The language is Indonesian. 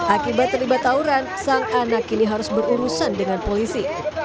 akibat terlibat tawuran sang anak kini harus berurusan dengan polisi